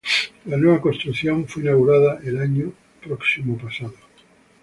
La nueva construcción fue inaugurada el año próximo-pasado.